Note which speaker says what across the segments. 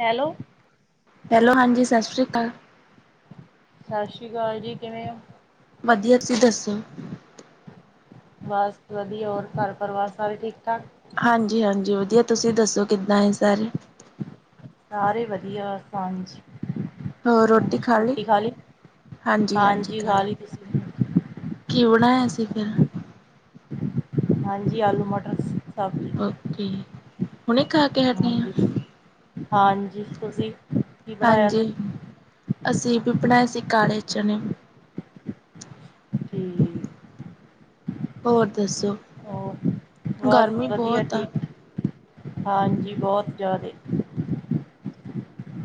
Speaker 1: Hello,
Speaker 2: hello ਹਾਂਜੀ ਸਤਿ ਸ਼੍ਰੀ ਅਕਾਲ।
Speaker 1: ਸਤਿ ਸ਼੍ਰੀ ਅਕਾਲ ਜੀ, ਕਿਵੇਂ ਔ?
Speaker 2: ਵਧੀਆ ਤੁਸੀਂ ਦੱਸੋ।
Speaker 1: ਬਸ ਵਧੀਆ ਹੋਰ ਘਰ ਪਰਿਵਾਰ ਸਾਰੇ ਠੀਕ ਠਾਕ
Speaker 2: ਹਾਂਜੀ-ਹਾਂਜੀ, ਵਧੀਆ ਤੁਸੀਂ ਦੱਸੋ ਕਿੱਦਾਂ ਹੈ ਸਾਰੇ।
Speaker 1: ਸਾਰੇ ਵਧੀਆ ਸਾਂਝ
Speaker 2: ਹੋਰ ਰੋਟੀ ਖਾਲੀ, ਹਾਂਜੀ-ਹਾਂਜੀ
Speaker 1: ਹਾਂਜੀ ਖਾ
Speaker 2: ਖਾਲੀ।
Speaker 1: ਲਈ ਤੁਸੀਂ?
Speaker 2: ਕੀ ਬਣਾਇਆ ਸੀ ਫਿਰ?
Speaker 1: ਹਾਂਜੀ ਆਲੂ ਮਟਰ ਸਬਜ਼ੀ
Speaker 2: ਠੀਕ, ਹੁਣੇ ਖਾ ਕੇ ਹਟੇ ਆ।
Speaker 1: ਹਾਂਜੀ ਹਾਂਜੀ ਤੁਸੀਂ? ਕੀ ਬਣਾਇਆ ਸੀ?
Speaker 2: ਹਾਂਜੀ, ਅਸੀਂ ਵੀ ਬਣਾਏ ਸੀ ਕਾਲੇ ਚਣੇ।
Speaker 1: ਠੀਕ,
Speaker 2: ਹੋਰ ਦੱਸੋਂ?
Speaker 1: ਹੋਰ ਬਸ ਵਧੀਆ ਠੀਕ, ਹਾਂਜੀ ਬਹੁਤ ਜ਼ਿਆਦੇ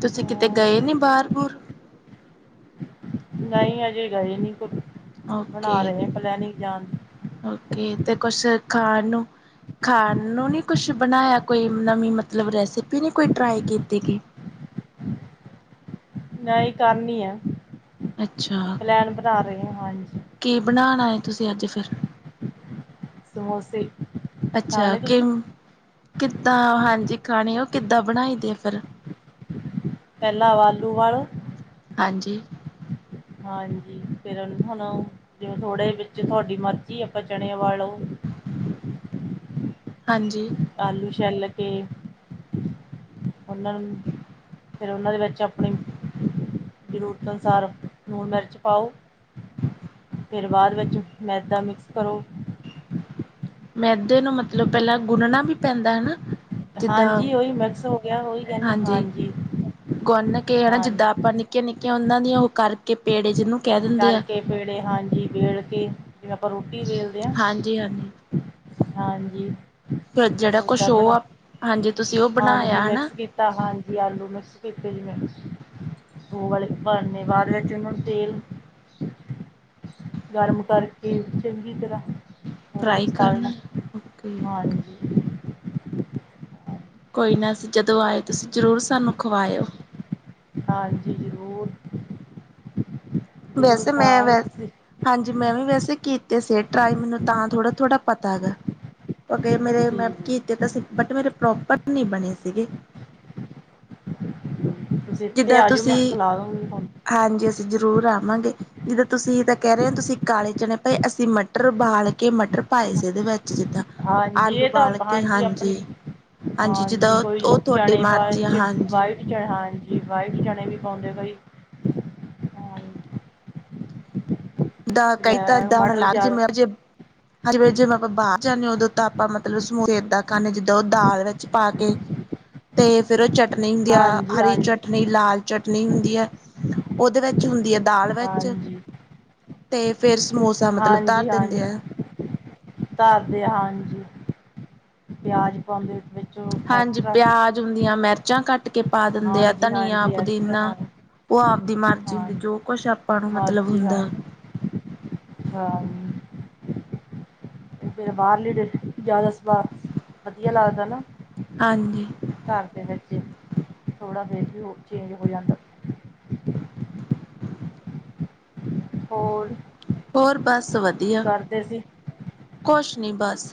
Speaker 2: ਤੁਸੀਂ ਕਿਤੇ ਗਏ ਨੀ ਬਾਹਰ ਬੁਹਰ
Speaker 1: ਨਹੀ ਹਜੇ ਗਏ ਨਹੀਂ ਕੁ ਬਣਾ
Speaker 2: ਓਕੇ,
Speaker 1: ਰਹੇ ਆ ਪਲੈਨਿੰਗ ਜਾਣ ਦੀ
Speaker 2: ਓਕੇ ਤੇ ਕੁਛ ਖਾਣ ਨੂੰ ਖਾਣ ਨੂੰ ਨੀ ਕੁਛ ਬਣਾਇਆ ਕੋਈ ਨਵੀਂ ਮਤਲਬ ਰੈਸਪੀ ਨੀ ਕੋਈ ਟਰਾਈ ਕੀਤੀ ਗੀ।
Speaker 1: ਟਰਾਈ ਕਰਨੀ ਆ,
Speaker 2: ਅੱਛਾ
Speaker 1: ਪਲੈਨ ਬਣਾ ਰਹੇ ਆ ਹਾਂਜੀ।
Speaker 2: ਕੀ ਬਣਾਣਾ ਆ ਤੁਸੀਂ ਅੱਜ ਫਿਰ,
Speaker 1: ਸਮੋਸੇ,
Speaker 2: ਅੱਛਾ
Speaker 1: ਖਾਣੇ
Speaker 2: ਕਿ,
Speaker 1: ਤੁਸੀਂ
Speaker 2: ਕਿੱਦਾਂ ਹਾਂਜੀ ਖਾਣੇ ਉਹ ਕਿੱਦਾਂ ਬਣਾਈ ਦੇ ਆ ਫਿਰ।
Speaker 1: ਪਹਿਲਾਂ ਆਲੂ ਵਾਲੋ,
Speaker 2: ਹਾਂਜੀ।
Speaker 1: ਹਾਂਜੀ ਫੇਰ ਹੁਣ ਓ, ਜਿਵੇਂ ਥੋੜੇ ਵਿੱਚ ਤੁਹਾਡੀ ਮਰਜ਼ੀ ਆਪਾਂ ਚਣੇ ਬਾਲੋ।
Speaker 2: ਹਾਂਜੀ।
Speaker 1: ਆਲੂ ਛੈਲ ਕੇ, ਉਹਨਾਂ ਨੂੰ ਫਿਰ ਉਹਨਾਂ ਦੇ ਵਿੱਚ ਆਪਣੀ ਜ਼ਰੂਰਤਾਂ ਅਨੁਸਾਰ ਲੂਣ ਮਿਰਚ ਪਾਓ। ਫਿਰ ਬਾਅਦ ਵਿੱਚ ਮੈਦਾ ਮਿਕਸ ਕਰੋ,
Speaker 2: ਮੈਦੇ ਨੂੰ ਮਤਲਬ ਪਹਿਲਾਂ ਗੁਣਨਾ ਵੀ ਪੈਂਦਾ ਹਨਾ, ਜਿੱਦਾਂ,
Speaker 1: ਹਾਂਜੀ ਉਹੀ ਮਿਕਸ ਹੋ ਗਿਆ ਉਹੀ ਕਹਿੰਦੇ
Speaker 2: ਹਾਂਜੀ, ਗੂਨ ਨੇ ਕੇ ਇਹ ਹਨ ਨਾ ਜਿੱਦਾਂ
Speaker 1: ਹਾਂਜੀ
Speaker 2: ਆਪਾਂ ਨ ਨਿੱਕੀਆਂ-ਨਿੱਕੀਆਂ ਉਹਨਾਂ ਦੀਆਂ ਉਹ ਕਰਕੇ ਪੇੜੇ ਜਿਹਨੂੰ, ਕਹਿ ਦਿੰਦੇ ਆ
Speaker 1: ਕਰਕੇ ਪੇੜੇ ਹਾਂਜੀ ਵੇਲ ਕੇ ਜਿਵੇਂ ਆਪਾਂ ਰੋਟੀ ਵੇਲਦੇ ਆ।
Speaker 2: ਹਾਂਜੀ-ਹਾਂਜੀ
Speaker 1: ਹਾਂਜੀ।
Speaker 2: ਫੇਰ ਜਿਹੜਾ ਕੁਛ
Speaker 1: ਉੱਦਾਂ
Speaker 2: ਉਹ
Speaker 1: ਬਣਾ
Speaker 2: ਆ ਹਾਂਜੀ ਤੁਸੀਂ ਉਹ ਬਣਾਇਆ ਹਨਾ।
Speaker 1: ਤਾਂ ਹਾਂਜੀ ਆਲੂ ਮਿਕਸ ਕਿਤੇ ਜਿਵੇਂ। ਉਹ ਵਾਲੇ ਭਰਨੇ ਬਾਅਦ ਵਿੱਚ ਉਹਨੂੰ ਤੇਲ, ਗਰਮ ਕਰਕੇ ਚੰਗੀ ਤਰ੍ਹਾਂ, ਉਹਦੇ
Speaker 2: ਫਰਾਈ
Speaker 1: ਵਿੱਚ
Speaker 2: ਕਰਨਾ
Speaker 1: ਤਲਣਾ,
Speaker 2: ਓਕੇ
Speaker 1: ਹਾਂਜੀ।
Speaker 2: ਕੋਈ ਨਾ ਅਸੀਂ ਜਦੋਂ ਆਏ ਤੁਸੀਂ ਜ਼ਰੂਰ ਸਾਨੂੰ ਖਵਾਇਓ,
Speaker 1: ਹਾਂਜੀ ਜ਼ਰੂਰ। ਜ਼ਰੂਰ
Speaker 2: ਵੈਸੇ ਮੈਂ
Speaker 1: ਖਵਾਵਾਂਗੇ
Speaker 2: ਵੈ
Speaker 1: ਤੁਸੀਂ
Speaker 2: ਹਾਂਜੀ ਮੈਂ ਵੀ ਵੈਸੇ ਕੀਤੇ ਸੀ ਟਰਾਈ ਮੈਨੂੰ ਤਾਂ ਥੋੜ੍ਹਾ-ਥੋੜ੍ਹਾ ਪਤਾ ਗਾ। ਮੇਰੇ ਮੈਂ
Speaker 1: ਠੀਕ
Speaker 2: ਕੀਤੇ
Speaker 1: ਹੈ
Speaker 2: ਤਾਂ ਸੀ ਬਟ ਮੇਰੇ ਪ੍ਰੋਪਰ ਨਹੀਂ ਬਣੇ ਸੀਗੇ।
Speaker 1: ਤੁਸੀਂ ਇੱਥੇ
Speaker 2: ਜਿੱਦਾਂ
Speaker 1: ਆਜੋ ਮੈਂ
Speaker 2: ਤੁਸੀਂ
Speaker 1: ਖਿਲਾਦੂ ਤੁਹਾਨੂੰ,
Speaker 2: ਹਾਂਜੀ ਅਸੀਂ ਜ਼ਰੂਰ ਆਵਾਂਗੇ। ਜਿੱਦਾਂ ਤੁਸੀਂ ਤਾਂ ਕਹਿ ਰਹੇ ਔ ਤੁਸੀਂ ਕਾਲੇ ਚਣੇ ਪਏ ਅਸੀਂ ਮਟਰ ਓਬਾਲ ਕੇ ਮਟਰ ਪਾਏ ਸੀ ਇਹਦੇ ਵਿੱਚ ਕੇ ਜਿੱਦਾਂ
Speaker 1: ਹਾਂਜੀ
Speaker 2: ਆਲੂ
Speaker 1: ਇਹ ਤਾਂ
Speaker 2: ਬਾਲ
Speaker 1: ਆਪ-
Speaker 2: ਕੇ ਹਾਂਜੀ
Speaker 1: ਆਪਣੀ
Speaker 2: ਹਾਂਜੀ ਜਿੱਦਾਂ
Speaker 1: ਕੋਈ
Speaker 2: ਉਹ ਤੁਹਾਡੀੇ
Speaker 1: ਚਣੇ ਪਾ
Speaker 2: ਮਰਜ਼ੀ ਆ ਹਾਂਜੀ
Speaker 1: ਵਾਈਟ ਚ ਹਾਂਜੀ ਵਾਈਟ ਚਣੇ ਵੀ ਪਾਉਂਦੇ ਕਈ
Speaker 2: ਦਾ ਕਈ
Speaker 1: ਬਲੈਕ
Speaker 2: ਤਰਦਾ ਓਹਨਾ
Speaker 1: ਮਟਰ
Speaker 2: ਲਾਰਜੇ
Speaker 1: ਜ਼ਿਆਦਾ
Speaker 2: ਮਰਜੇ ਹਾਂਜੀ ਫੇ ਜੇਵੇਂ ਆਪਾਂ ਬਾਹਰ ਜਾਂਨੇ ਹ ਉਦੋਂ ਤਾਂ ਆਪਾਂ ਮਤਲਬ ਸਮੋਸੇ ਏਦਾਂ ਖਾਂਦੇ ਜਿੱਦਾਂ ਉਹ ਦਾਲ ਵਿੱਚ ਪਾ ਕੇ ਤੇ ਫਿਰ ਚਟਨੀ ਹੁੰਦੀ ਆ
Speaker 1: ਹਾਂਜੀ
Speaker 2: ਹਰੀ
Speaker 1: ਹਾਂਜੀ
Speaker 2: ਚਟਨੀ ਲਾਲ ਚਟਨੀ ਹੁੰਦੀ ਐ ਉਹਦੇ ਵਿੱਚ ਹੁੰਦੀ ਏ ਦਾਲ ਵਿੱਚ
Speaker 1: ਹਾਂਜੀ
Speaker 2: ਤੇ ਫੇਰ ਸਮੋਸਾ ਮਤਲਬ ਧਰ
Speaker 1: ਹਾਂਜੀ
Speaker 2: ਦਿੰਦੇ
Speaker 1: ਹਾਂਜੀ
Speaker 2: ਆ
Speaker 1: ਧਰਦੇ ਹਾਂਜੀ ਪਿਆਜ ਪਾਉਂਦੇ ਵਿੱਚ
Speaker 2: ਹਾਂਜੀ
Speaker 1: ਐਕਸਟਰਾ
Speaker 2: ਪਿਆਜ ਹੁੰਦੀਆਂ ਮਿਰਚਾਂ ਕੱਟ ਕੇ ਪਾ ਦਿੰਦੇ ਆ
Speaker 1: ਹਾਂਜੀ
Speaker 2: ਧਨੀਆ
Speaker 1: ਹਾਂਜੀ ਐਕਸਟਰਾ
Speaker 2: ਪੁਦੀਨਾ
Speaker 1: ਪਾਉਣ
Speaker 2: ਉਹ ਆਪ ਦੀ ਮਰਜ਼ੀ ਹੁੰਦੀ
Speaker 1: ਹਾਂਜੀ
Speaker 2: ਜੋ ਕੁਛ ਆਪਾਂ ਨੂੰ ਮਤਲਬ
Speaker 1: ਮਰਜ਼ੀ ਹਾਂ
Speaker 2: ਹੁੰਦਾ
Speaker 1: ਹਾਂ ਫਿਰ ਬਾਹਰਲੀ ਰੈਸਪੀ ਜ਼ਿਆਦਾ ਸੁਵਾਦ ਵਦੀਆ ਲੱਗਦਾ ਏ ਨਾ
Speaker 2: ਹਾਂਜੀ
Speaker 1: ਘਰ ਦੇ ਵਿੱਚ ਈ ਥੋੜ੍ਹਾ ਫੇਰ ਵੀ ਉਹ ਚੇਂਜ ਹੋ ਜਾਂਦਾ ਹੋਰ
Speaker 2: ਹੋਰ ਬਸ
Speaker 1: ਕੀ
Speaker 2: ਵਦੀਆ,
Speaker 1: ਕਰਦੇ ਸੀ
Speaker 2: ਕੁਛ ਨਹੀਂ ਬਸ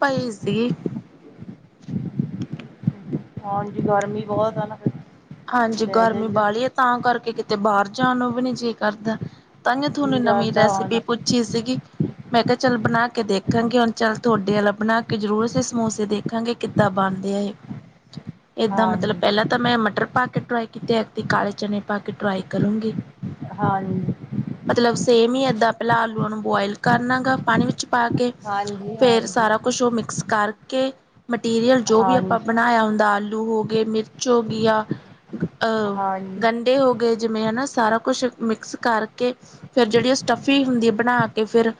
Speaker 2: ਪਈ ਸੀਗੀ। [inaudible]
Speaker 1: ਹਾਂਜੀ, ਗਰਮੀ ਬਹੁਤ ਐ ਨਾ ਫਿਰ।
Speaker 2: ਹਾਂਜੀ,
Speaker 1: ਪੈ
Speaker 2: ਗਰਮੀ
Speaker 1: ਜਾਈਦਾ
Speaker 2: ਬਾਹਲੀ ਐ ਤਾਂ ਕਰਕੇ ਕਿਤੇ ਬਾਹਰ ਜਾਨ ਨੂੰ ਵੀ ਨਹੀ ਜੀਅ ਕਰਦਾ। ਤਾਹੀਉ ਥੋਨੂੰ
Speaker 1: ਜੀਅ
Speaker 2: ਨਵੀਂ
Speaker 1: ਕਰਦਾ
Speaker 2: ਰੈਸਿਪੀ
Speaker 1: ਹਾਂਜੀ
Speaker 2: ਪੁੱਛੀ ਸੀਗੀ। ਮੈਂ ਕਿਹਾ ਚੱਲ ਬਨਾ ਕੇ ਦੇਖਾਂਗੇ। ਹੁਨ ਚੱਲ ਤੁਹਾਡੇ ਆਲਾ ਬਨਾ ਕੇ ਜ਼ਰੂਰ ਸੀ ਸਮੋਸੇ ਦੇ ਦੇਖਾਂਗੇ, ਕਿੱਦਾਂ ਬਣਦੇ ਆ ਏਦਾਂ ਮਤਲਬ ਪਹਿਲਾਂ
Speaker 1: ਹਾਂਜੀ
Speaker 2: ਤਾਂ ਮੈਂ ਮਟਰ ਪਾ ਕੇ ਟਰਾਈ ਕੀਤੇ, ਐਤਕੀਂ ਕਾਲੇ ਚਨੇ ਪਾ ਕੇ ਟਰਾਈ ਕਰੂੰਗੀ।
Speaker 1: ਹਾਂਜੀ
Speaker 2: ਮਤਲਬ ਸੇਮ ਹੀ ਏਦਾਂ, ਪਹਿਲਾਂ ਆਲੂਆਂ ਨੂੰ ਬੁਆਇਲ ਕਰਨਾ ਗਾ ਪਾਨੀ ਵਿੱਚ 'ਚ ਪਾ ਕੇ,
Speaker 1: ਹਾਂਜੀ
Speaker 2: ਫੇਰ
Speaker 1: ਹਾਂਜੀ
Speaker 2: ਸਾਰਾ ਕੁਛ ਉਹ ਮਿਕਸ ਕਰਕੇ ਮੈਟੀਰੀਅਲ ਜੋ ਵੀ ਆਪਾਂ
Speaker 1: ਹਾਂਜੀ
Speaker 2: ਬਨਾਇਆ ਹੁੰਦਾ, ਆਲੂ ਹੋ ਗਏ, ਮਿਰਚ ਹੋ ਗਈ ਆ ਅਹ
Speaker 1: ਹਾਂਜੀ
Speaker 2: ਗੰਢੇ ਹੋ ਗੇ, ਜਿਵੇਂ ਹੈਨਾ ਸਾਰਾ ਕੁਛ ਮਿਕਸ ਕਰਕੇ ਫਿਰ ਜਿਹੜੀ ਉਹ ਸਟਿਫੀ ਹੁੰਦੀ ਬਨਾ ਕੇ ਫਿਰ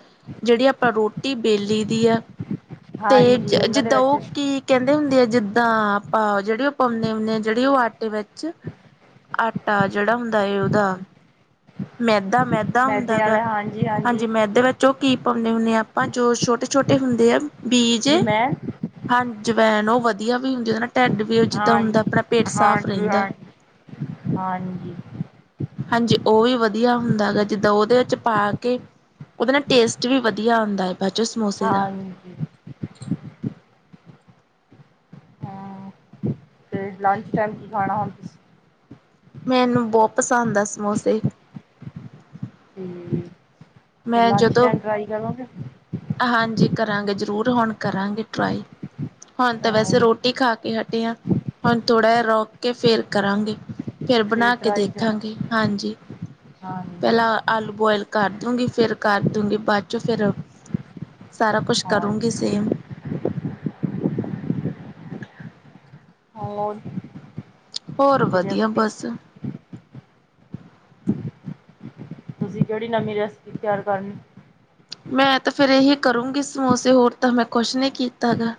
Speaker 2: ਜਿਹੜੀ ਆਪਾਂ ਰੋਟੀ ਬੇਲੀ ਦੀ ਆ, ਤੇ ਜ
Speaker 1: ਹਾਂਜੀ ਉਹਨਾਂ ਦੇ
Speaker 2: ਜਿੱਦਾਂ
Speaker 1: ਵਿੱਚ
Speaker 2: ਉਹ ਕਿ ਕਹਿੰਦੇ ਹੁੰਦੇ ਆ ਜਿੱਦਾਂ ਆਪਾਂ ਜਿਹੜੀ ਉਹ ਪਾਉਂਨੇ ਹੁਨੇ ਆ, ਜਿਹੜੀ ਉਹ ਆਟ ਟੇ ਵਿੱਚ ਆਟਾ ਜਿਹੜਾ ਹੁੰਦਾ ਹੈ ਉਹਦਾ ਮੈਦਾ ਮੈਦ ਦਾ
Speaker 1: ਮੈਦੇ
Speaker 2: ਹੁੰਦਾ ਗਾ।
Speaker 1: ਵਾਲੇ ਹਾਂਜੀ
Speaker 2: ਹਾਂਜੀ ਮੈਦੇ ਵਿੱਚ ਚੋਂ ਕੀ ਪਾਉਂਦੇ ਹੁੰਨੇ ਆ ਆਪਾਂ, ਜੋ ਛੋਟੇ-ਛੋਟੇ ਹੁੰਦੇ ਆ ਬੀਜ
Speaker 1: ਜੀ ਮੈਮ
Speaker 2: ਹਾਂ, ਜਵੈਨ ਉਹ ਵਦੀਆ ਵੀ ਹੁੰਦੀ ਨਾ, ਓਹਦੇ ਨਾਲ ਢਿੱਡ ਪੀੜ ਜਿੱਦਾਂ ਹੁੰਦਾ ਆਪਣਾ ਪੇਟ ਸਾਫ਼ ਰਹਿੰਦਾ।
Speaker 1: ਲੈਂ ਹਾਂਜੀ
Speaker 2: ਹਾਂਜੀ, ਉਹ ਵੀ ਵਦੀਆ ਹੁੰਦਾ ਗਾ, ਜਿੱਦਾਂ ਉਹਦੇ ਵਿੱਚ ਪਾ ਕੇ ਉਹਦੇ ਨਾਲ ਟੇਸਟ ਵੀ ਵਦੀਆ ਆਉਂਦਾ ਏ।
Speaker 1: ਹਾਂਜੀ ਤੇ ਲੰਚ ਟਾਈਮ ਕੀ ਖਾਣਾ ਹੁਨ ਤੁਸੀਂ
Speaker 2: ਮੈਨੂੰ ਬਹੁਤ ਪਸੰਦ ਐ ਸਮੋਸੇ।
Speaker 1: ਹੰ
Speaker 2: ਮੈਂ ਜਦੋਂ ਹਾਂਜੀ ਕਰਾਂਗੇ ਜ਼ਰੂਰ ਹੁਣ ਕਰਾਂਗੇ ਟਰਾਈ। ਹੁਣ ਤਾਂ ਵੈਸੇ ਰੋਟੀ
Speaker 1: ਹਾਂਜੀ
Speaker 2: ਖਾ ਕੇ ਹਟੇ ਆ। ਹੁਣ ਥੋੜ੍ਹਾ ਜਿਹਾ ਰੁਕ ਕੇ ਫਿਰ ਕਰਾਂਗੇ। ਫੇਰ
Speaker 1: ਫਿਰ
Speaker 2: ਬਣਾ ਕੇ
Speaker 1: ਟਰਾਈ ਕਰ
Speaker 2: ਦੇਖਾਂਗੇ। ਹਾਂ ਜੀ,
Speaker 1: ਹਾਂਜੀ
Speaker 2: ਪਹਿਲਾਂ ਆਲੂ ਬੋਆਇਲ ਕਰਦੂਗੀ ਫਿਰ ਕਰਦੂਗੀ ਬਾਅਦ ਚੋਂ ਫਿਰ ਸਾਰਾ ਕੁਛ ਕਰੂੰਗੀ
Speaker 1: ਹਾਂਜੀ
Speaker 2: ਸੇਮ।
Speaker 1: ਹੋਰ
Speaker 2: ਹੋਰ ਵਧੀਆ
Speaker 1: ਰੈਸਪੀ
Speaker 2: ਬਸ।
Speaker 1: ਤੁਸੀਂ ਕਿਹੜੀ ਨਵੀਂ ਰੈਸਪੀ ਤਿਆਰ ਕਰਨੀ
Speaker 2: ਮੈਂ ਤਾਂ ਫਿਰ ਇਹੀ ਕਰੂੰਗੀ ਸਮੋਸੇ, ਹੋਰ ਤਾਂ ਮੈਂ ਕੁਛ ਨਹੀਂ ਕੀਤਾ ਗਾ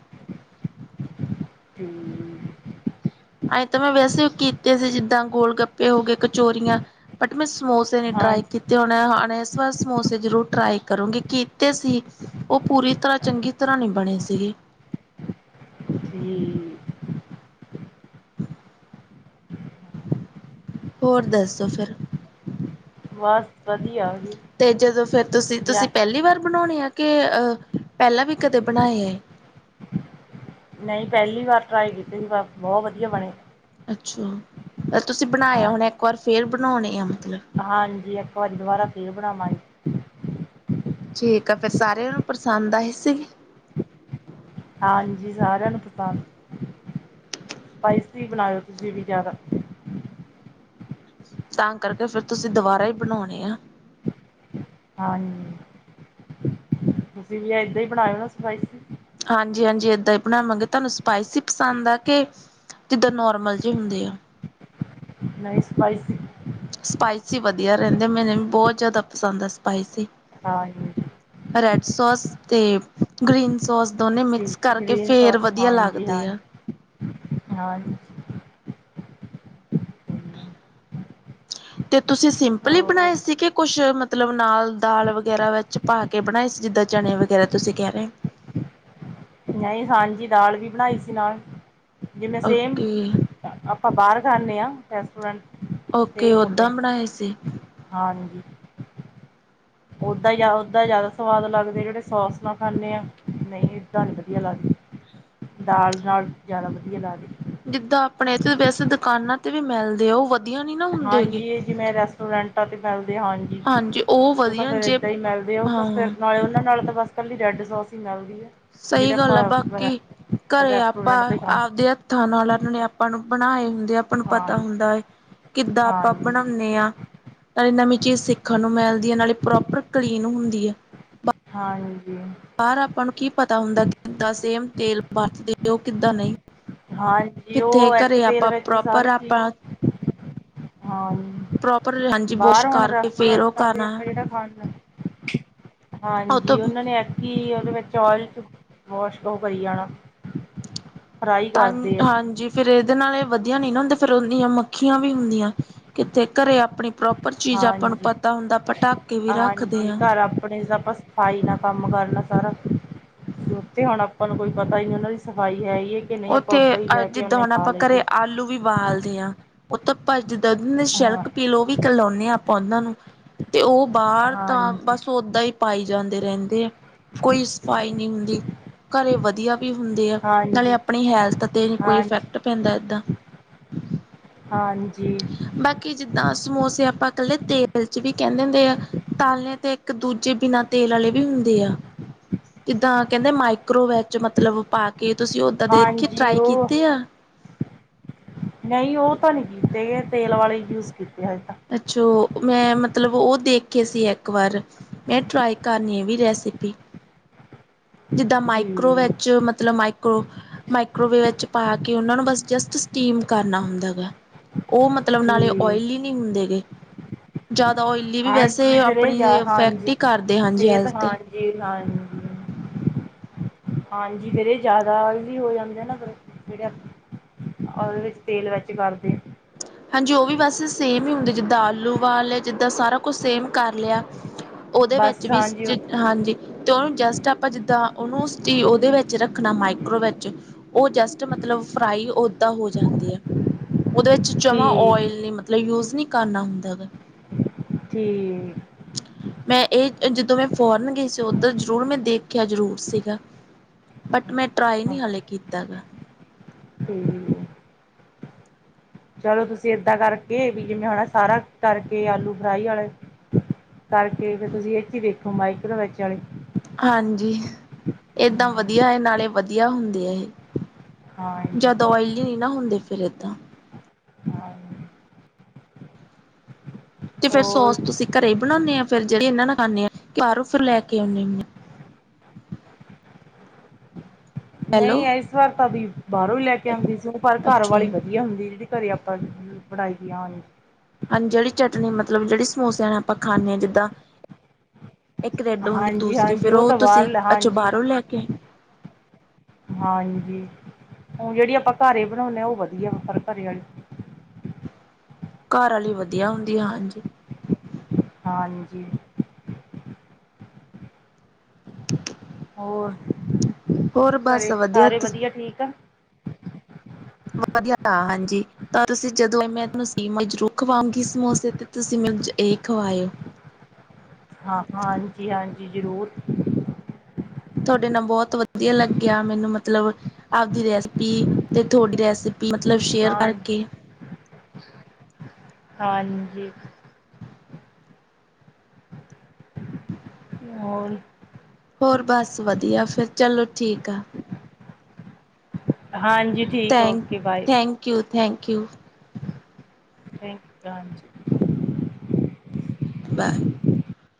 Speaker 1: ਹੂੰ
Speaker 2: ਆਏ ਤਾਂ ਮੈਂ ਵੈਸੇ ਉਹ ਕੀਤੇ ਸੀ, ਜਿਦਾਂ ਗੋਲ ਗੱਪੇ ਹੋ ਗਏ, ਕਚੋਰੀਆਂ ਬਟ ਮੈਂ ਸਮੋਸੇ ਨੀ ਟਰਾਈ
Speaker 1: ਹਾਂਜੀ
Speaker 2: ਕੀਤੇ ਹੋਣ ਹ ਹੁਣ ਇਸ ਵਾਰ ਸਮੋਸੇ ਜ਼ਰੂਰ ਟਰਾਈ ਕਰੂੰਗੀ। ਕੀਤੇ ਸੀ ਉਹ ਪੂਰੀ ਤਰ੍ਹਾਂ ਚੰਗੀ ਤਰ੍ਹਾਂ ਨਹੀਂ ਬਣੇ ਸੀਗੇ।
Speaker 1: ਠੀਕ
Speaker 2: ਹੋਰ ਦੱਸੋ ਫਿਰ?
Speaker 1: ਬਸ ਵਧੀਆ ਜੀ
Speaker 2: ਤੇ ਜਦੋਂ ਫਿਰ ਤੁਸੀਂ
Speaker 1: ਜਾਂ
Speaker 2: ਤੁਸੀਂ ਪਹਿਲੀ ਵਾਰ ਬਣਾਉਣੇ ਆ ਕਿ ਪਹਿਲਾਂ ਵੀ ਕਦੇ ਬਣਾਏ ਆ ਇਹ
Speaker 1: ਨਹੀਂ ਪਹਿਲੀ ਵਾਰ ਟਰਾਈ ਕੀਤੇ ਸੀ ਬਸ, ਬਹੁਤ ਵਧੀਆ ਬਣੇ।
Speaker 2: ਅੱਛੋ, ਤੁਸੀਂ ਬਣਾਇਆ ਹੋਣਾ
Speaker 1: ਹਾਂਜੀ
Speaker 2: ਇੱਕ ਵਾਰ ਫੇਰ ਬਣਾਉਣੇ ਆ ਮਤਲਬ।
Speaker 1: ਹਾਂਜੀ, ਇੱਕ ਵਾਰੀ ਦੁਬਾਰਾ ਫੇਰ ਬਣਾਵਾਂਗੇ
Speaker 2: ਠੀਕ ਆ, ਫਿਰ ਸਾਰਿਆਂ ਨੂੰ ਪਸੰਦ ਆਏ ਸੀ।
Speaker 1: ਹਾਂਜੀ ਸਾਰਿਆਂ ਨੂੰ ਪਸੰਦ, ਸਪਾਈਸੀ ਬਣਾਇਓ ਤੁਸੀਂ ਵੀ ਜ਼ਿਆਦਾ
Speaker 2: ਤਾਂ, ਕਰਕੇ ਫਿਰ ਤੁਸੀਂ ਦੁਬਾਰਾ ਈ ਬਣਾਉਣੇ ਆ
Speaker 1: ਹਾਂਜੀ ਤੁਸੀਂ ਵੀ ਏਦਾਂ ਈ ਬਣਾਇਓ ਨਾ ਸਪਾਈਸੀ।
Speaker 2: ਹਾਂਜੀ-ਹਾਂਜੀ ਏਦਾਂ ਹੀ ਬਣਾਵਾਂਗੇ, ਤੁਹਾਨੂੰ ਸਪਾਈਸੀ ਪਸੰਦ ਆ ਕੇ ਜਿੱਦਾਂ ਨੋਰਮਲ ਜੇ ਹੁੰਦੇ ਆ।
Speaker 1: ਨਹੀਂ ਸਪਾਈਸੀ।
Speaker 2: ਸਪਾਈਸੀ ਵਧੀਆ ਰਹਿੰਦੇ ਮੈਨੂੰ ਵੀ ਬਹੁਤ ਜ਼ਿਆਦਾ ਪਸੰਦ ਆ ਸਪਾਈਸੀ।
Speaker 1: ਹਾਂਜੀ
Speaker 2: ਰੈਡ ਸੋਸ ਤੇ ਗ੍ਰੀਨ ਸੋਸ ਦੋਨੇ ਮਿਕਸ
Speaker 1: ਠੀਕ
Speaker 2: ਕਰਕੇ,
Speaker 1: ਗ੍ਰੀਨ
Speaker 2: ਫੇਰ
Speaker 1: ਸੌਸ
Speaker 2: ਵਧੀਆ
Speaker 1: ਹਾਂਜੀ
Speaker 2: ਲੱਗਦੇ ਆ।
Speaker 1: ਹਾਂਜੀ ਹਾਂਜੀ
Speaker 2: [unintelligible] ਤੇ ਤੁਸੀਂ ਸਿੰਪਲ ਈ
Speaker 1: ਹੋਰ
Speaker 2: ਬਣਾਏ ਸੀ, ਕਿ ਕੁਛ ਮਤਲਬ ਨਾਲ ਦਾਲ ਵਗੈਰਾ ਵਿੱਚ ਪਾ ਕੇ ਕੇ ਬਣਾਏ ਸੀ, ਜਿੱਦਾਂ ਚਣੇ ਵਗੈਰਾ ਤੁਸੀਂ ਕਹਿ ਰਹੇ ਹੋ।
Speaker 1: ਨਹੀਂ ਹਾਂਜੀ ਦਾਲ ਵੀ ਬਣਾਈ ਸੀ ਨਾਲ, ਜਿਵੇਂ ਸੇਮ
Speaker 2: ਓਕੇ
Speaker 1: ਆਪਾਂ ਬਾਹਰ ਖਾਨੇ ਆ ਰੈਸਟੋਰੈਂਟ ਚ
Speaker 2: ਓਕੇ, ਓਦਾਂ ਬਣਾਏ ਸੀ।
Speaker 1: ਹਾਂਜੀ। ਓਦਾਂ ਈ ਜਿਆਦਾ ਓਦਾਂ ਈ ਜ਼ਿਆਦਾ ਸਵਾਦ ਲੱਗਦੇ ਆ, ਜਿਹੜੇ ਸੋਸ ਨਾਲ ਖਾਂਨੇ ਆ ਨਹੀਂ ਏਦਾਂ ਨਈ ਵਧੀਆ ਲੱਗਦੇ। ਦਾਲ ਨਾਲ ਜਿਆਦਾ ਵਧੀਆ ਲਗਦੇ।
Speaker 2: ਜਿੱਦਾਂ ਆਪਣੇ ਇੱਥੇ ਵੈਸੇ ਦੁਕਾਨਾਂ ਤੇ ਵੀ ਮਿਲਦੇ ਆ, ਉਹ ਵਧੀਆ ਨੀ ਨਾ ਹੁੰਦੇ ਗੇ
Speaker 1: ਹਾਂਜੀ, ਜਿਵੇਂ ਰੈਸਟੋਰੈਂਟਾਂ ਤੇ ਮਿਲਦੇ ਹਾਂਜੀ। ਉਹ ਤਾਂ ਫੇਰ ਏਦਾਂ ਹੀ ਮਿਲਦੇ ਆ, ਉਹ ਤਾਂ
Speaker 2: ਹਾਂ
Speaker 1: ਫੇਰ ਨਾਲੇ ਉਹਨਾ ਨਾਲ ਤਾਂ ਬਸ ਕੱਲੀ ਰੈਡ ਸੋਸ ਹੀ ਮਿਲਦੀ ਆ।
Speaker 2: ਸਹੀ ਗੱਲ ਆ, ਬਾਕੀ ਘਰੇ ਆਪਾਂ
Speaker 1: ਰੈਸਟੋਰੈਂਟ ਤੇ ਖਾਂਦੇ
Speaker 2: ਆਪਦੇ ਹੱਥ ਖਾਣ ਨਾਲ ਨੇ ਆਪਾਂ ਨੂੰ ਬਣਾਏ ਹੁੰ ਦੇ ਆਪਾਂ ਨੂੰ ਪਤਾ ਹੁੰਦਾ
Speaker 1: ਹਾਂਜੀ
Speaker 2: ਹੈ ਏ, ਕਿੱਦਾਂ ਆਪਾਂ
Speaker 1: ਹਾਂਜੀ
Speaker 2: ਬਣਾਉਣੇ ਆ। ਨਾਲੇ ਨਵੀਂ ਚੀਜ਼ ਸਿੱਖਣ ਨੂੰ ਮਿਲਦੀ ਐ, ਨਾਲੇ ਪ੍ਰੋਪਰ ਕਲੀਨ ਹੁੰਦੀ ਐ।
Speaker 1: ਹਾਂਜੀ।
Speaker 2: ਬਾਰ ਆਪਾਂ ਨੂੰ ਕੀ ਪਤਾ ਹੁੰਦਾ, ਕਿੱਦਾਂ ਸੇਮ ਤੇਲ ਵਰਤਦੇ ਓ ਕਿੱਦਾਂ ਨਈ।
Speaker 1: ਹਾਂਜੀ, ਉਹ ਇੱਕ ਤੇਲ
Speaker 2: ਆਪਾਂ
Speaker 1: ਵਿੱਚ ਈ ਸਾਰੀ
Speaker 2: ਪ੍ਰੋਪਰ ਆਪਾਂ
Speaker 1: ਚੀਜ਼ [inaudible] ਹਾਂਜ
Speaker 2: ਪ੍ਰੋਪਰ
Speaker 1: [unintelligible]
Speaker 2: ਹਾਂਜੀ ਵੋਸ਼
Speaker 1: ਬਾਰ ਹੁਣ
Speaker 2: ਕਰਕੇ ਫੇਰ ਉਹ
Speaker 1: ਰੈਸਟੋਰੈਂਟਾਂ ਤੇ
Speaker 2: ਕਰਨਾ
Speaker 1: ਆਪਾਂ ਜਿਹੜਾ ਖਾਣ ਜਾਨੇ [unintelligible]
Speaker 2: ਉਹ
Speaker 1: ਹਾਂਜੀ,
Speaker 2: ਤੋਂ
Speaker 1: ਉਹਨਾਂ ਨੇ ਇਕ ਕਿ ਉਹਦੇ ਵਿੱਚ ਓਇਲ 'ਚ ਵਾਸ਼ ਉਹ ਕਰੀ ਜਾਣਾ, ਫਰਾਈ
Speaker 2: ਤਾਂਨ
Speaker 1: ਕਰਦੇ ਆ
Speaker 2: ਹਾਂਜੀ। ਫਿਰ ਇਹਦੇ ਨਾਲ ਇਹ ਵਧੀਆ ਨੀ ਨਾ ਹੁੰਦਾ, ਫੇਰ ਓਨੀਆਂ ਮੱਖੀਆਂ ਵੀ ਹੁੰਦੀਆਂ, ਕਿਤੇ ਘਰੇ ਆਪਣੀ ਪ੍ਰੋਪ ਪਰ ਚੀਜ਼ ਆਪਾਂ ਨੂੰ
Speaker 1: ਹਾਂਜੀ
Speaker 2: ਪਤਾ ਹੁੰਦਾ, ਆਪਾਂ ਟੱਕ ਕੇ ਵੀ ਰੱਖਦੇ ਆ।
Speaker 1: ਫਿਰ ਆਪਣੇ ਸਪਸ ਸਫਾਈ ਦਾ ਕੰਮ ਕਰਨਾ ਸਾਰਾ, ਕਿਉਕਿ ਹੁਣ ਆਪਾਂ ਨੂੰ ਕੁਛ ਪਤਾ ਈ ਨੀ ਉਹਨਾਂ ਦੀ ਸਫ਼ਾਈ ਹੈਗੀ ਕੇ ਕਿ ਨਹੀਂ ਆਪਾਂ
Speaker 2: ਉੱਥੇ
Speaker 1: ਉੱਦਾਂ ਹੀ
Speaker 2: ਅ
Speaker 1: ਲੈ
Speaker 2: ਜਿੱਦਾਂ
Speaker 1: ਉਹਨੇ
Speaker 2: ਹੁਣ
Speaker 1: ਖਾ
Speaker 2: ਆਪਾਂ ਘਰੇ
Speaker 1: ਲਈਏ।
Speaker 2: ਆਲੂ ਵੀ ਬਾਲਦੇ ਆ ਉਹ ਤਾਂ ਭੱਜਦਾ ਨੀ
Speaker 1: ਹਾਂ
Speaker 2: ਸ਼ਲਕ ਪੀ ਲਓ, ਉਹ ਵੀ ਕਰਲਾਉਂਨੇ ਆ ਆਪਾਂ ਉਹਨਾਂ ਨੂੰ ਤੇ ਉਹ ਬਾਰ ਤਾਂ
Speaker 1: ਹਾਂਜੀ
Speaker 2: ਬਸ ਓਦਾਂ ਈ ਪਾਏ ਜਾਂਦੇ ਰਹਿੰਦੇ ਆ, ਕੋਈ ਸਫ਼ਾਈ ਨੀ ਹੁੰਦੀ ਘਰੇ ਵਧੀਆ ਵੀ ਹੁੰਦੇ ਆ, ਨਾਲੇ
Speaker 1: ਹਾਂਜੀ
Speaker 2: ਆਪਣੀ ਹੈਲਥ ਤੇ ਕੋਈ
Speaker 1: ਹਾਂਜੀ
Speaker 2: ਇਫੈਕਟ ਪੈਂਦਾ ਏਦਾਂ।
Speaker 1: ਹਾਂਜੀ।
Speaker 2: ਬਾਕੀ ਜਿੱਦਾਂ ਸਮੋਸੇ ਆਪਾਂ ਕੱਲੇ ਤੇਲ ਚ ਵੀ ਕਹਿੰਦੇ ਹੁੰਦੇ ਆ, ਤੱਲਨੇ ਤੇ ਇੱਕ ਦੂਜੇ ਬਿਨਾ ਤੇਲ ਆਲੇ ਵੀ ਹੁੰਦੇ ਆ। ਕਿੱਦਾਂ ਕਹਿੰਦੇ, ਮਾਈਕ੍ਰੋਵੇਵ ਚ ਮਤਲਬ ਪਾ ਕੇ ਤੁਸੀਂ ਓਦਾਂ ਦੇਖ ਕੇ ਟਰਾਈ ਕੀਤੇ ਆ।
Speaker 1: ਨਈ ਉਹ ਤਾਂ ਨਈ ਕੀਤੇ ਗੇ, ਤੇਲ ਵਾਲੇ ਯੂਜ ਕੀਤੇ ਹਜੇ ਤਾਂ।
Speaker 2: ਅੱਛਾ, ਮੈਂ ਮਤਲਬ ਉਹ ਦੇਖੇ ਸੀ ਇੱਕ ਵਾਰ। ਮੈਂ ਟਰਾਈ ਕਰਨੀ ਇਹ ਵੀ ਰੈਸਿਪੀ। ਜਿੱਦਾਂ ਮਾਈਕਰੋ
Speaker 1: ਠੀਕ
Speaker 2: ਵਿੱਚ ਮਤਲਬ ਮਾਈਕ ਮਾਈਕਰੋਵੇਵ ਵਿੱਚ ਪਾ ਕੇ ਉਹਨਾਂ ਨੂੰ ਬਸ ਜਸਟ ਸਟੀਮ ਕਰਨਾ ਹੁੰਦਾ ਗਾ। ਉਹ ਮਤਲਬ ਨਾਲੇ
Speaker 1: ਠੀਕ
Speaker 2: ਓਇਲੀ ਨੀ ਹੁੰਦੇ ਗੇ। ਜ਼ਿਆਦਾ ਓਇਲੀ ਵੀ ਵੈਸੇ
Speaker 1: ਹਾਂਜੀ ਫਿਰ ਇਹ
Speaker 2: ਆਪਣੀ
Speaker 1: ਜਾ
Speaker 2: ਇਫੈਕਟ ਈ ਕਰਦੇ ਹਾਂਜੀ ਹੈਲਥ ਤੇ
Speaker 1: ਜੀ ਹਾਂ ਹਾਂਜੀ ਫਿਰ ਇਹ ਜ਼ਿਆਦਾ ਓਇਲੀ ਹੋ ਜਾਂਦੇ ਨਾ ਜਿਹੜੇ ਉਹਦੇ ਵਿੱਚ ਤੇਲ ਵਿੱਚ ਕਰਦੇ।
Speaker 2: ਹਾਂਜੀ ਉਹ ਵੀ ਬਸ ਸੇਮ ਈ ਹੁੰਦੇ ਜਿੱਦਾਂ ਆਲੂ ਬਾਲ ਲੇ ਜਿੱਦਾਂ ਸਾਰਾ ਕੁਛ ਸੇਮ ਕਰ ਲਿਆ। ਉਹਦੇ ਵਿੱਚ
Speaker 1: ਬਸ
Speaker 2: ਵੀ
Speaker 1: ਹਾਂਜੀ
Speaker 2: ਜਿ ਹਾਂਜੀ ਤੇ ਉਹਨੂੰ ਜਸਟ ਆਪਾਂ ਜਿੱਦਾਂ ਉਹਨੂੰ ਉਹਦੇ ਵਿੱਚ ਰੱਖਣਾ ਮਾਈਕ੍ਰੋ ਵਿੱਚ ਉਹ ਜਸਟ ਮਤਲਬ ਫਰਾਈ ਓਦਾਂ ਹੋ ਜਾਂਦੀ ਐ। ਉਹਦੇ ਵਿੱਚ ਜਮ੍ਹਾਂ
Speaker 1: ਠੀਕ
Speaker 2: ਓਇਲ ਨੀ ਮਤਲਬ ਯੂਜ ਨੀ ਕਰਨਾ ਹੁੰਦਾ ਗਾ।
Speaker 1: ਠੀਕ
Speaker 2: ਮੈਂ ਇਹ ਜਦੋਂ ਮੈਂ ਫੋਰਨ ਗਈ ਸੀ ਉਧਰ ਜ਼ਰੂਰ ਮੈਂ ਦੇਖਿਆ ਜ਼ਰੂਰ ਸੀਗਾ। ਬਟ ਮੈਂ ਟ੍ਰਾਈ ਨੀ ਹਾਲੇ ਕੀਤਾ ਗਾ।
Speaker 1: ਹੂੰ, ਚਲੋ ਤੁਸੀਂ ਏਦਾਂ ਕਰਕੇ ਵੀ ਜਿਵੇਂ ਹੁਣ ਸਾਰਾ ਕਰਕੇ ਆਲੂ ਫਰਾਈ ਵਾਲੇ ਕਰਕੇ ਫੇਰ ਤੁਸੀਂ ਇਹ ਚ ਈ ਦੇਖੋ ਮਾਈਕਰੋ ਵਿੱਚ ਵਾਲੇ
Speaker 2: ਹਾਂਜੀ, ਏਦਾਂ ਵਧੀਆ ਐ ਨਾਲੇ ਵਧੀਆ ਹੁੰਦੇ ਆ ਇਹ
Speaker 1: ਹਾਂ
Speaker 2: ਜਿਆਦਾ ਓਇਲੀ ਨੀ ਨਾ ਹੁੰਦੀ ਫਿਰ ਏਦਾਂ।
Speaker 1: ਹਾਂਜੀ
Speaker 2: ਤੇ ਫੇਰ
Speaker 1: ਹੋਰ
Speaker 2: ਸੋਸ ਤੁਸੀਂ ਘਰੇ ਹੀ ਬਣਾਉਂਦੇ ਆ ਫਿਰ ਜੇੜੀ ਇਹਨਾਂ ਨਾਲ ਖਾਨੇ ਆ, ਬਹਾਰੋਂ ਫੇਰ ਲੈ ਕੇ ਆਉਂਦੇ ਹੁੰਨੇ ਆਂ
Speaker 1: ਨਹੀਂ
Speaker 2: ਹੈਲੋ
Speaker 1: ਐਸ ਵਾਰ ਤਾਂ ਅਭੀ ਬਾਹਰੋਂ ਹੀ ਲੈ ਕੇ ਆਉਂਦੀ ਸੀ, ਪਰ ਘਰ
Speaker 2: ਅੱਛਾ
Speaker 1: ਵਾਲੀ ਵਧੀਆ ਹੁੰਦੀ ਜਿਹੜੀ ਘਰੇ ਆਪ ਸਬਜ਼ੀ, ਬਣਾਈ ਦੀ ਹਾਂਜੀ
Speaker 2: ਹਾਂਜੀ ਜੇੜੀ ਚਟਨੀ ਮਤਲਬ ਜਿਹੜੀ ਸਮੋਸਿਆਂ ਨਾਲ ਆਪਾਂ ਖਾਂਦੇ ਹਾਂ ਜਿੱਦਾਂ ਇੱਕ ਰੈਡ ਹੁੰਦੀ
Speaker 1: ਹਾਂਜੀ
Speaker 2: ਦੂਸਰੀ
Speaker 1: ਹਾਂਜੀ
Speaker 2: ਫਿਰ ਉਹ
Speaker 1: ਤਾਂ
Speaker 2: ਤੁਸੀਂ,
Speaker 1: ਬਾਹਰ
Speaker 2: ਅੱਜੋ
Speaker 1: ਹਾਂਜੀ
Speaker 2: ਬਾਹਰੋਂ ਲੈ ਕੇ
Speaker 1: ਹਾਂਜੀ, ਹੁਣ ਜਿਹੜੀ ਆਪਾਂ ਘਰੇ ਹੀ ਬਣਾਉਂਦੇ ਆਂ ਉਹ ਵਧੀਆ, ਪਰ ਘਰੇ ਆਲੀ
Speaker 2: ਘਰ ਵਾਲੀ ਵਧੀਆ ਹੁੰਦੀ, ਹਾਂਜੀ
Speaker 1: ਹਾਂਜੀ ਹੋਰ,
Speaker 2: ਹੋਰ ਬਸ
Speaker 1: ਘਰੇ ਸਾਰੇ ਵਧੀਆ ਠੀਕ
Speaker 2: ਵਧੀਆ ਤਾਂ ਹਾਂਜੀ ਤਾਂ ਤੁਸੀਂ ਜਦੋਂ ਮੈਂਨੂੰ [unintelligible] ਜ਼ਰੂਰ ਖਵਾਉਂਗੀ ਸਮੋਸੇ ਤੇ ਤੁਸੀਂ ਮੈਨੂੰ ਇਹ ਖਵਾਇਓ
Speaker 1: ਹਾਂ, ਹਾਂਜੀ- ਹਾਂਜੀ ਜ਼ਰੂਰ
Speaker 2: ਤੁਹਾਡੇ ਨਾਲ ਬਹੁਤ ਲੱਗਿਆ ਮੈਨੂੰ ਮਤਲਬ, ਆਪਦੀ ਰੈਸਪੀ ਤੇ ਤੁਹਾਡੀ ਰੈਸ ਮਤਲਬ ਸ਼ੇਅਰ
Speaker 1: ਹਾਂ
Speaker 2: ਕਰਕੇ
Speaker 1: ਹਾਂਜੀ ਹੋਰ
Speaker 2: ਹੋਰ ਬਸ ਵਧੀਆ, ਫੇਰ ਚਲੋ ਠੀਕ ਆ
Speaker 1: ਹਾਂਜੀ ਠੀਕ
Speaker 2: thank,
Speaker 1: okay bye
Speaker 2: thank you- thank you
Speaker 1: thank you you ਹਾਂਜੀ
Speaker 2: ਬਾਏ